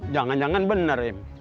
jangan jangan bener em